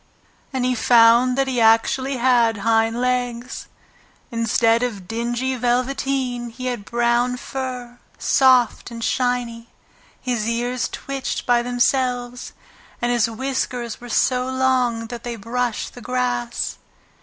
And he found that he actually had hind legs! Instead of dingy velveteen he had brown fur, soft and shiny, his ears twitched by themselves, and his whiskers were so long that they brushed the grass.